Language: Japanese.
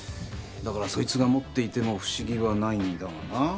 だからそいつが持っていても不思議はないんだがな。